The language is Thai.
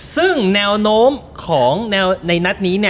ซึ่งแนวโน้มของในนัดนี้